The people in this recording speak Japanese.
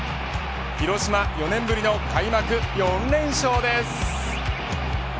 広島４年ぶりの開幕４連勝です。